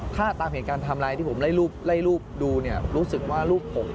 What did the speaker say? ถ้าตามเหตุการณ์ไทม์ไลน์ที่ผมไล่รูปดูเนี่ยรู้สึกว่ารูปผม